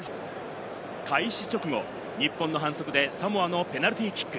開始直後、日本の反則でサモアのペナルティーキック。